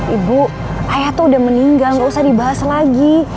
ibu ayah tuh udah meninggal gak usah dibahas lagi